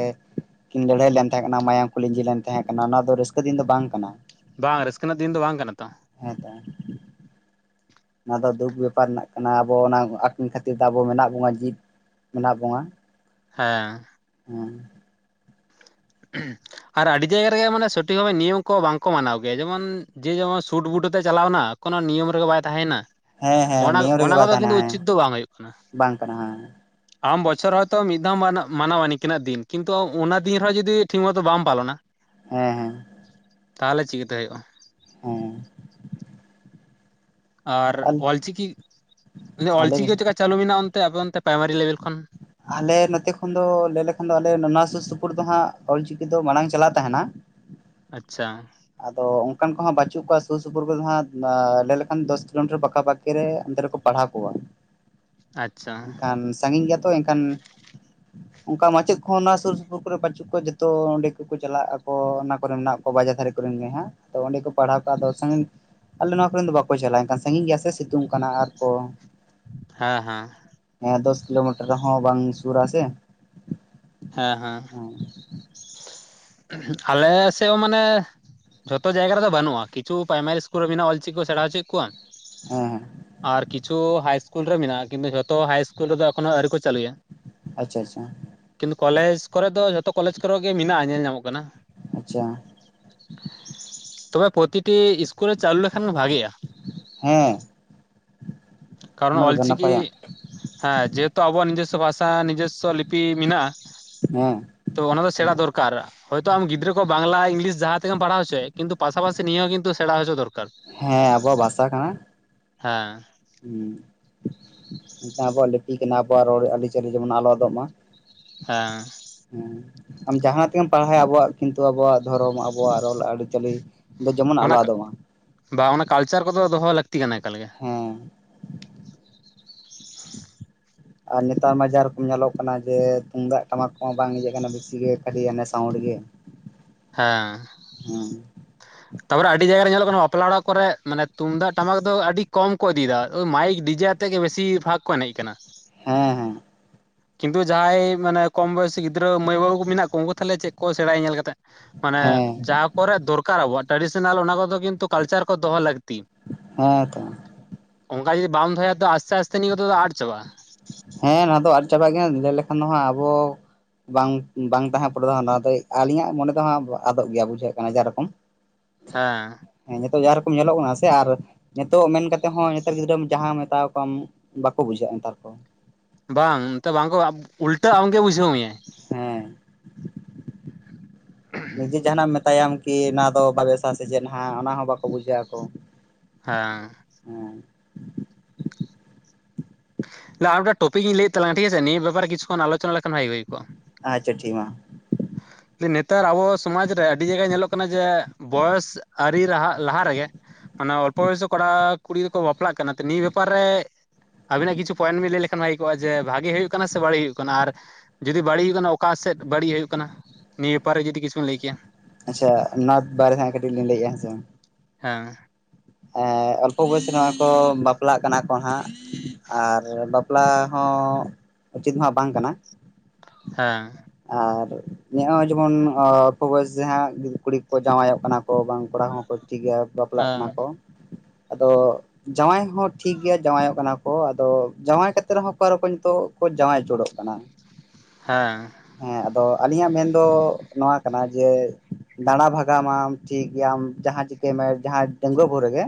Speaker 2: ᱠᱤᱱ ᱞᱟᱹᱲᱦᱟᱹᱭ ᱞᱮᱱ ᱛᱟᱦᱮᱸ ᱠᱟᱱᱟ ᱢᱟᱭᱟᱢ ᱠᱚ ᱞᱤᱸᱡᱤ ᱞᱮᱱ ᱛᱟᱦᱮᱸ ᱠᱟᱱᱟ ᱱᱚᱣᱟ ᱫᱚ ᱨᱟᱹᱥᱠᱟᱹ ᱫᱤᱱ ᱫᱚ ᱵᱟᱝ ᱠᱟᱱᱟ
Speaker 1: ᱵᱟᱝ ᱨᱟᱹᱥᱠᱟᱹ ᱨᱮᱱᱟᱜ ᱫᱤᱱ ᱫᱚ ᱵᱟᱝ ᱠᱟᱱᱟ ᱛᱚ
Speaker 2: ᱦᱮᱸ ᱛᱚ ᱚᱱᱟ ᱫᱚ ᱫᱩᱠ ᱵᱮᱯᱟᱨ ᱨᱮᱱᱟ ᱠᱟᱱᱟ ᱟᱵᱚ ᱚᱱᱟ ᱟᱠᱤᱱ ᱠᱷᱟᱹᱛᱤᱨ ᱛᱮ ᱟᱵᱚ ᱢᱮᱱᱟᱜ ᱵᱚᱱᱟ ᱡᱤᱭᱮᱫ ᱢᱮᱱᱟᱜ ᱵᱚᱱᱟ
Speaker 1: ᱦᱮᱸ
Speaker 2: ᱦ [inaudible]
Speaker 1: ᱟᱨ ᱟᱹᱰᱤ ᱡᱟᱭᱜᱟ ᱨᱮᱜᱮ ᱢᱟᱱᱮ ᱥᱚᱴᱷᱤᱠ ᱱᱤᱭᱚᱢ ᱠᱚ ᱵᱟᱝᱠᱚ ᱢᱟᱱᱟᱣ ᱜᱮᱭᱟ ᱡᱮᱢᱚᱱ ᱡᱮ ᱡᱮᱢᱚᱱ ᱥᱩᱴᱵᱩᱴ ᱛᱮ ᱪᱟᱞᱟᱣᱱᱟ ᱠᱳᱚᱱᱳ ᱱᱤᱭᱚᱢ ᱨᱮᱜᱮ ᱵᱟᱭ ᱛᱟᱦᱮᱸᱱᱟ
Speaker 2: ᱦᱮᱸ ᱦᱮᱸ
Speaker 1: ᱚᱱᱟ
Speaker 2: ᱱᱤᱭᱚᱢ
Speaker 1: ᱚᱱᱟ
Speaker 2: ᱨᱮᱜᱮ ᱵᱟᱭ
Speaker 1: ᱠᱚᱫᱚ
Speaker 2: ᱛᱟᱦᱮᱱᱟ
Speaker 1: ᱠᱤᱱᱛᱩ
Speaker 2: ᱦᱮᱸ
Speaker 1: ᱩᱪᱤᱛ ᱫᱚ ᱵᱟᱝ ᱦᱩᱭᱩᱜ ᱠᱟᱱᱟ
Speaker 2: ᱵᱟᱝ ᱠᱟᱱᱟ ᱦᱮᱸ
Speaker 1: ᱟᱢ ᱵᱚᱪᱷᱚᱨ ᱦᱚᱭᱛᱚ ᱢᱤᱫ ᱫᱷᱟᱣ ᱢᱟᱱᱟᱣᱟ ᱱᱤᱠᱤᱱᱟᱜ ᱫᱤᱱ ᱠᱤᱱᱛᱩ ᱚᱱᱟ ᱫᱤᱱ ᱨᱮᱦᱚᱸ ᱡᱩᱫᱤ ᱡᱩᱫᱤ [unintelligible] ᱴᱷᱤᱠ ᱢᱚᱛᱚ ᱵᱟᱢ ᱯᱟᱞᱚᱱᱟ
Speaker 2: ᱦᱮᱸ ᱦᱮᱸ
Speaker 1: ᱛᱟᱦᱚᱞᱮ ᱪᱤᱠᱟᱹᱛᱮ ᱦᱩᱭᱩᱜᱼᱟ
Speaker 2: ᱦᱮᱸ
Speaker 1: ᱟᱨ ᱚᱞ ᱪᱤᱠᱤ
Speaker 2: ᱟᱞᱮ
Speaker 1: ᱚᱞᱪᱤᱠᱤ ᱪᱠᱟ ᱪᱟᱹᱞᱩ ᱢᱮᱱᱟᱜᱼᱟ ᱚᱱᱛᱮ ᱟᱵᱤᱱ ᱚᱱᱛᱮ ᱯᱨᱟᱭᱢᱟᱨᱤ ᱞᱮᱵᱮᱞ ᱠᱷᱚᱱ
Speaker 2: ᱟᱞᱮ ᱱᱚᱛᱮ ᱠᱷᱚᱱ ᱫᱚ ᱞᱟᱹᱭ ᱞᱮᱠᱷᱟᱱ ᱫᱚ ᱟᱞᱮ ᱱᱚᱣᱟ ᱥᱩᱨ ᱼ ᱥᱩᱯᱩᱨ ᱫᱚ ᱦᱟᱸᱜ ᱚᱞᱪᱤᱠᱤ ᱫᱚ ᱢᱟᱲᱟᱝ ᱪᱟᱞᱟᱜ ᱛᱟᱦᱮᱸᱱᱟ
Speaker 1: ᱟᱪᱪᱷᱟ
Speaker 2: ᱟᱫᱚ ᱚᱱᱠᱟᱱ ᱠᱚᱦᱚᱸ ᱵᱪᱩᱜ ᱠᱚᱣᱟ ᱥᱩᱨ ᱼ ᱥᱩᱯᱩᱨ ᱨᱮ ᱦᱟᱸᱜ ᱞᱟᱹᱭ ᱞᱮᱠᱷᱟᱱ ᱫᱚᱥ ᱠᱤᱞᱳᱢᱤᱴᱟᱨ ᱯᱟᱠᱟ ᱯᱟᱠᱤ ᱨᱮ ᱚᱱᱛᱮ ᱨᱮᱠᱚ ᱯᱟᱲᱦᱟᱣ ᱠᱚᱣᱟ
Speaker 1: ᱟᱪᱪᱷᱟ
Speaker 2: ᱮᱱᱠᱷᱟᱱ ᱥᱟᱺᱜᱤᱧ ᱜᱮᱭᱟ ᱛᱚ ᱮᱱᱠᱷᱟᱱ ᱚᱱᱠᱟ ᱢᱟᱪᱮᱫ ᱠᱚᱦᱚᱸ ᱱᱚᱣᱟ ᱥᱩᱨᱼᱥᱩᱯᱩᱨ ᱠᱚᱨᱮ ᱵᱟᱪᱩᱜ ᱠᱚᱣᱟ ᱡᱚᱛᱚ ᱚᱸᱰᱮ ᱠᱚᱠᱚ ᱪᱟᱞᱟᱜ ᱟᱠᱚ ᱚᱱᱟ ᱠᱚᱨᱮ ᱢᱮᱱᱟᱜ ᱠᱚᱣᱟ ᱵᱟᱡᱟᱨ ᱫᱷᱟᱨᱮ ᱠᱚ ᱨᱮᱱ ᱜᱮ ᱦᱟᱸᱜ ᱟᱫᱚ ᱚᱸᱰᱮ ᱠᱚ ᱯᱟᱲᱦᱟᱣ ᱠᱚᱣᱟ ᱥᱟᱺᱜᱤᱧ ᱟᱞᱮ ᱱᱚᱣᱟ ᱠᱚᱨᱮᱱ ᱫᱚ ᱵᱟᱠᱚ ᱪᱟᱞᱟᱜᱼᱟ ᱮᱱᱠᱷᱟᱱ ᱥᱟᱺᱜᱤᱧ ᱜᱮᱭᱟ ᱥᱮ ᱥᱤᱛᱩᱝ ᱠᱟᱱᱟ ᱟᱨ ᱠᱚ
Speaker 1: ᱦᱮᱸ ᱦᱮᱸ
Speaker 2: ᱫᱚᱥ ᱠᱤᱞᱳᱢᱤᱴᱟᱨ ᱨᱮ ᱦᱚᱸ ᱵᱟᱝ ᱥᱩᱨᱥᱮ
Speaker 1: ᱦᱮᱸ ᱦᱮᱸ ᱟᱞᱮ ᱥᱮᱫ ᱦᱚᱸ ᱢᱟᱱᱮ ᱡᱷᱚᱛᱚ ᱡᱟᱭᱜᱟ ᱨᱮᱫᱚ ᱵᱟᱹᱱᱩᱜᱼᱟ ᱠᱪᱷᱩ ᱯᱨᱟᱭᱢᱟᱨᱤᱥᱠᱩᱞ ᱨᱮ ᱢᱮᱱᱟᱜ ᱚᱞᱪᱤᱠ ᱠᱚ ᱥᱮᱬᱟ ᱦᱚᱪᱚᱭᱮᱫ ᱠᱚᱣᱟ
Speaker 2: ᱦᱮᱸ
Speaker 1: ᱟᱨ ᱠᱤᱪᱷᱩ ᱦᱟᱭ ᱤᱥᱠᱩᱞ ᱨᱮ ᱢᱮᱱᱟᱜᱼᱟ ᱠᱤᱱᱛᱩ ᱡᱷᱚᱛᱚ ᱦᱟᱭ ᱤᱥᱠᱩᱞ ᱨᱮᱫᱚ ᱮᱠᱷᱳᱱᱳ ᱟᱹᱨᱤ ᱠᱚ ᱪᱟᱹᱞᱩᱭᱟ
Speaker 2: ᱟᱪᱪᱷᱟ ᱟᱪᱪᱷᱟ
Speaker 1: ᱠᱤᱱᱛᱩ ᱠᱚᱞᱮᱡᱽ ᱠᱚᱨᱮ ᱫᱚ ᱡᱚᱛᱚ ᱠᱚᱞᱮᱡᱽ ᱠᱚᱨᱮ ᱜᱮ ᱢᱮᱱᱟᱜᱼᱟ ᱧᱮᱞ ᱧᱟᱢᱚᱜ ᱠᱟᱱᱟ
Speaker 2: ᱟᱪᱪᱷᱟ
Speaker 1: ᱛᱚᱵᱮ ᱯᱨᱚᱛᱴᱤ ᱤᱥᱠᱩᱞᱮ ᱪᱟᱞᱩ ᱞᱮᱠᱷᱟᱱ ᱵᱷᱟᱜᱤᱼᱟ᱾
Speaker 2: ᱦᱮᱸ
Speaker 1: ᱠᱟᱨᱚᱱ
Speaker 2: ᱚᱱᱟ
Speaker 1: ᱚᱞ
Speaker 2: ᱫᱚ
Speaker 1: ᱪᱤᱠᱤ
Speaker 2: ᱱᱟᱯᱟᱭᱟ
Speaker 1: ᱦᱮᱸ ᱡᱮᱦᱮᱛᱩ ᱟᱵᱚᱣᱟᱜ ᱱᱤᱡᱮᱥ ᱵᱷᱟᱥᱟ ᱱᱤᱡᱚᱥᱥᱚ ᱞᱤᱯᱤ ᱢᱮᱱᱟᱜᱼᱟ
Speaker 2: ᱦᱮᱸ
Speaker 1: ᱛᱚ ᱚᱱᱟ ᱫᱚ ᱥᱮᱬᱟ ᱫᱚᱨᱠᱟᱨᱟ᱾ ᱦᱚᱭᱛᱳ ᱟᱢ ᱜᱤᱫᱽᱨᱟᱹ ᱵᱟᱝᱞᱟ ᱤᱝᱞᱤᱥ ᱡᱟᱦᱟᱸ ᱛᱮᱜᱮᱢᱟ ᱯᱟᱲᱟᱣ ᱦᱚᱪᱚᱭ ᱠᱤᱱᱛᱩ ᱯᱟᱥᱟᱥᱤ ᱱᱤᱭᱟᱹ ᱦᱚᱸ ᱠᱤᱱᱛᱩ ᱥᱮᱬᱟ ᱦᱚᱪᱩ ᱫᱚᱨᱠᱟᱨ
Speaker 2: ᱦᱮᱸ ᱟᱵᱚᱣᱟᱜ ᱵᱷᱟᱥᱟ ᱠᱟᱱᱟ᱾
Speaker 1: ᱦᱮᱸ
Speaker 2: ᱦᱮᱸ ᱢᱤᱫᱴᱟᱝ ᱟᱵᱚᱣᱟᱜ ᱞᱤᱯᱤ ᱠᱟᱱᱟ ᱟᱵᱚᱣᱟᱜ ᱨᱚᱲ ᱟᱹᱨᱤᱪᱟᱹᱞᱤ ᱡᱮᱢᱚᱱ ᱟᱞᱫᱚᱜ ᱢᱟ᱾
Speaker 1: ᱦᱮᱸ
Speaker 2: ᱦᱮᱸ ᱟᱢ ᱡᱟᱦᱟᱸ ᱛᱮᱜᱮᱢ ᱯᱟᱲᱦᱟ ᱟᱵᱚᱣᱟᱜ ᱠᱤᱱᱛᱩ ᱟᱵᱚᱣᱟᱜ ᱫᱷᱚᱨᱚᱢ ᱟᱵᱚᱣᱟᱜ ᱨᱚᱲ ᱟᱹᱨᱤᱪᱟᱹᱞᱤ ᱫᱚ ᱡᱮᱢᱚᱱ ᱟᱞᱚ
Speaker 1: ᱚᱱᱟ
Speaker 2: ᱟᱫᱚᱜ ᱢᱟ
Speaker 1: ᱵᱟ ᱚᱱᱟ ᱠᱟᱞᱪᱟᱨ ᱠᱚᱫᱚ ᱫᱚᱦᱚ ᱞᱟᱹᱠᱛᱤ ᱠᱟᱱᱟ ᱮᱠᱟ ᱜᱮ᱾
Speaker 2: ᱦᱮᱸ ᱟᱨ ᱱᱮᱛᱟᱨ ᱢᱟ ᱡᱟ ᱨᱚᱠᱚᱢ ᱧᱮᱞᱚᱜ ᱠᱟᱱᱟ ᱡᱮ ᱛᱩᱢᱫᱟᱜ ᱴᱟᱢᱟᱠ ᱠᱚᱦᱚᱸ ᱵᱟᱝ ᱤᱭᱟᱹᱜ ᱠᱟᱱᱟ ᱵᱮᱥᱤᱜᱮ ᱠᱷᱟᱹᱞᱤ ᱥᱟᱩᱱᱰ ᱜᱮ
Speaker 1: ᱦᱮᱸ
Speaker 2: ᱦᱮᱸ
Speaker 1: ᱛᱟᱯᱚᱨᱮ ᱟᱹᱰᱤ ᱡᱟᱭᱜᱟ ᱨᱮ ᱧᱮᱞᱚᱜ ᱠᱟᱱᱟ ᱵᱟᱯᱞᱟ ᱚᱲᱟᱜ ᱠᱚᱨᱮ ᱢᱟᱱᱮ ᱛᱩᱢᱫᱟᱜ ᱴᱟᱢᱟᱠ ᱫᱚ ᱟᱹᱰᱤ ᱠᱚᱢ ᱠᱚ ᱤᱫᱤᱭ ᱫᱟ ᱢᱟᱭᱤᱠ ᱰᱤᱡᱮ ᱟᱛᱮᱮᱫ ᱜᱮ ᱵᱮᱥᱤᱨ ᱵᱷᱟᱜᱽ ᱠᱚ ᱮᱱᱮᱡ ᱠᱟᱱᱟ
Speaker 2: ᱦᱮᱸ ᱦᱮᱸ
Speaker 1: ᱠᱤᱱᱛᱩ ᱡᱟᱦᱟᱸᱭ ᱢᱟᱱᱮ ᱠᱚᱢ ᱵᱚᱭᱚᱥᱤ ᱜᱤᱫᱽᱨᱟᱹ ᱢᱟᱹᱭ ᱵᱟᱹᱵᱩ ᱠᱚ ᱢᱮᱱᱟᱜ ᱠᱚᱣᱟ ᱩᱱᱠᱩ ᱛᱟᱦᱚᱞᱮ ᱪᱮᱫ ᱠᱚ ᱥᱮᱬᱟᱭᱟ ᱧᱮᱞ ᱠᱟᱛᱮ᱾ ᱢᱟᱱᱮ
Speaker 2: ᱦᱮᱸ
Speaker 1: ᱡᱟᱦᱟᱸ ᱠᱚᱨᱮ ᱫᱚᱨᱠᱟᱨ ᱟᱵᱚᱣᱟᱜ ᱴᱨᱟᱰᱤᱥᱚᱱᱟᱞ ᱚᱱᱟ ᱠᱚᱫᱚ ᱠᱤᱱᱛᱩ ᱠᱟᱞᱪᱟᱨ ᱠᱚ ᱫᱚᱦᱚ ᱞᱟᱹᱠᱛᱤ
Speaker 2: ᱦᱮᱸ ᱛᱚ
Speaker 1: ᱚᱱᱠᱟ ᱡᱩᱫᱤ ᱵᱟᱢ ᱫᱚᱦᱚᱭᱟ ᱛᱚ ᱟᱥᱛᱮ ᱟᱥᱛᱮ ᱱᱤᱭᱟᱹ ᱫᱚ ᱟᱫ ᱪᱟᱵᱟᱜ-ᱟ᱾
Speaker 2: ᱦᱮᱸ ᱚᱱᱟ ᱫᱚ ᱟᱫ ᱪᱟᱵᱟᱜ ᱜᱮᱭᱟ ᱞᱟᱹᱭ ᱞᱮᱠᱷᱟᱱ ᱟᱵᱚ ᱵᱟᱝ ᱵᱟᱝ ᱛᱟᱦᱮᱸ ᱯᱩᱨᱟ ᱟᱜ ᱱᱚᱣᱟ ᱫᱚ ᱟᱹᱞᱤᱧᱟᱜ ᱢᱚᱱᱮ ᱫᱚ ᱦᱟᱸᱜ ᱟᱫᱚᱜ ᱜᱮᱭᱟ ᱵᱩᱡᱷᱟᱹᱜ ᱠᱟᱱᱟ ᱡᱮᱨᱚᱠᱚᱢ
Speaker 1: ᱦᱮᱸ
Speaker 2: ᱱᱤᱛᱚᱜ ᱡᱟᱦᱟᱸ ᱨᱚᱠᱚᱢ ᱧᱮᱞᱚᱜ ᱠᱟᱱᱟ ᱥᱮ ᱟᱨ ᱱᱤᱛᱚᱜ ᱢᱮᱱ ᱠᱟᱛᱮ ᱦᱚᱸ ᱱᱮᱛᱟᱨ ᱜᱤᱫᱽᱨᱟᱹᱢ ᱡᱟᱦᱟᱸ ᱢᱮᱛᱟᱟᱣ ᱠᱚᱣᱟᱢ ᱵᱟᱠᱚ ᱵᱩᱡᱷᱟᱹᱣᱟ᱾ [inaudible]
Speaker 1: ᱵᱟᱝ ᱱᱚᱛᱮ ᱵᱟᱝᱠᱚ ᱩᱞᱴᱟᱹ ᱟᱢᱜᱮ ᱵᱩᱡᱷᱟᱹᱣ ᱢᱮᱭᱟᱭ
Speaker 2: ᱦᱮ ᱱᱤᱡᱮ ᱡᱟᱦᱟᱱᱟᱜ ᱢᱮᱛ ᱛᱟᱭᱚᱢ ᱠᱤ ᱚᱱᱟ ᱫᱚ ᱵᱟᱞᱥᱟ ᱥᱮ ᱪᱮᱫ ᱦᱟᱜ ᱚᱱᱟ ᱦᱚᱸ ᱵᱟᱠᱚ ᱵᱩᱡᱷᱟᱹᱜ ᱟᱠᱚ
Speaker 1: ᱦᱮᱸ
Speaker 2: ᱦᱮᱸ
Speaker 1: ᱟᱨ ᱢᱤᱫᱴ ᱴᱚᱯᱤᱠ ᱤᱧ ᱞᱟᱹᱭ ᱛᱟᱝ ᱟᱜ ᱴᱷᱤᱠ ᱟᱪᱮ ᱱᱤᱭᱟᱹ ᱵᱮᱯᱟᱨ ᱨᱮ ᱠᱤᱪᱷᱩ ᱠᱷᱚᱱ ᱟᱞᱚᱪᱱᱟ ᱞᱮᱠᱷᱟᱱ ᱵᱷᱟᱜᱮ ᱦᱩᱭ ᱠᱚᱼᱟ᱾
Speaker 2: ᱟᱪᱷᱟ ᱴᱷᱤᱠ ᱢᱟ
Speaker 1: ᱱᱮᱛᱟᱨ ᱟᱵᱚ ᱥᱚᱢᱟᱡᱽ ᱨᱮ ᱟᱹᱰᱤ ᱡᱟᱭᱜᱟ ᱧᱮᱞᱚᱜ ᱠᱟᱱᱟ ᱡᱮ ᱵᱚᱭᱚᱥ ᱟᱹᱨᱤ ᱞᱟᱦᱟ ᱞᱟᱦᱟ ᱨᱮᱜᱮ ᱢᱟᱱᱮ ᱚᱞᱯᱚ ᱵᱚᱭᱚᱥ ᱠᱷᱚᱱ ᱟᱜ ᱠᱩᱲᱤ ᱜᱤᱫᱽᱨᱟᱹᱠᱚ ᱵᱟᱯᱞᱟᱜ ᱠᱟᱱᱟ ᱛᱚ ᱱᱤᱭᱟᱹ ᱵᱮᱯᱟᱨ ᱨᱮ ᱟᱵᱤᱱᱟᱜ ᱠᱤᱪᱷᱩ ᱯᱚᱭᱮᱱᱴ ᱵᱤᱱ ᱞᱟᱹᱭ ᱞᱮᱠᱷᱱ ᱦᱩᱭ ᱠᱚᱜᱼᱟ ᱡᱮ ᱵᱷᱟᱜᱮ ᱦᱩᱭᱩᱜ ᱠᱟᱱᱟ ᱥᱮ ᱵᱟᱹᱲᱤᱡ ᱦᱩᱭᱩᱜ ᱠᱟᱱᱟ ᱟᱨ ᱡᱩᱫᱤ ᱵᱟᱹᱲᱤᱡ ᱦᱩᱭᱩᱜ ᱠᱟᱱᱟ ᱚᱠᱟ ᱥᱮᱫ ᱵᱟᱹᱲᱤᱡ ᱦᱩᱭᱩᱜ ᱠᱟᱱᱟ ᱱᱤᱭᱟᱹ ᱵᱮᱯᱟᱨ ᱨᱮ ᱡᱩᱫᱤ ᱠᱤᱪᱷᱩ ᱞᱟᱹᱭ ᱠᱮᱭᱟ᱾
Speaker 2: ᱟᱪᱪᱷᱟ ᱚᱱᱟ ᱵᱟᱨᱮᱛᱮ ᱠᱟᱹᱴᱤᱡ ᱞᱤᱧ ᱞᱟᱹᱭᱮᱜᱼᱟ ᱦᱮᱸᱥᱮ᱾
Speaker 1: ᱦᱮᱸ
Speaker 2: ᱮ ᱚᱞᱯᱚ ᱵᱚᱭᱚᱥᱮ ᱱᱚᱣᱟᱜ ᱠᱚ ᱵᱟᱯᱞᱟᱜ ᱠᱟᱱᱟ ᱠᱚ ᱦᱟᱸᱜ ᱟᱨ ᱵᱟᱯᱞᱟ ᱦᱚᱸ ᱩᱪᱤᱛ ᱢᱟ ᱵᱟᱝ ᱠᱟᱱᱟ᱾
Speaker 1: ᱦᱮᱸ
Speaker 2: ᱟᱨ ᱱᱚᱜᱚᱭ ᱡᱮᱢᱚᱱ ᱚᱞᱯᱚ ᱵᱚᱭᱚᱥ ᱡᱟᱦᱟ ᱠᱩᱲᱤ ᱠᱚ ᱡᱟᱶᱟᱭ ᱚᱜ ᱠᱟᱱᱟ ᱠᱚ ᱵᱟᱝ ᱠᱚᱲᱟ ᱦᱚᱸ ᱠᱚ ᱴᱷᱤᱠ ᱜᱮ ᱵᱟᱯᱞᱟᱜ
Speaker 1: ᱦᱮᱸ
Speaker 2: ᱠᱟᱱᱟ ᱠᱚ
Speaker 1: [inaudible]
Speaker 2: ᱛᱚ ᱡᱟᱶᱟᱭ ᱦᱚᱸ ᱴᱷᱤᱠ ᱜᱮᱭᱟ ᱡᱟᱶᱟᱭᱚᱜ ᱠᱟᱱᱟ ᱠᱚ ᱟᱫᱚ ᱡᱟᱶᱟᱭ ᱠᱟᱛᱮ ᱨᱮᱦᱚᱸ ᱟᱨᱚ ᱠᱚ ᱱᱤᱛᱚᱜ ᱡᱟᱶᱟᱭ ᱟᱹᱪᱩᱨᱚᱜ ᱠᱟᱱᱟ
Speaker 1: ᱦᱮᱸ
Speaker 2: ᱦᱮᱸ ᱟᱫᱚ ᱟᱹᱞᱤᱧᱟᱜ ᱢᱮᱱ ᱫᱚ ᱱᱚᱣᱟ ᱠᱟᱱᱟ ᱡᱮ ᱫᱟᱬᱟ ᱵᱷᱟᱜᱟᱣᱟᱢ ᱴᱷᱤᱠ ᱜᱮᱟᱢ ᱡᱟᱦᱟᱸᱟᱸ ᱪᱤᱠᱟᱹᱭ ᱢᱮ ᱰᱟᱺᱜᱩᱣ ᱵᱷᱳᱩᱨ ᱨᱮᱜᱮ